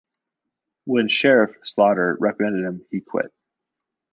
When Sheriff Slaughter reprimanded him, he quit.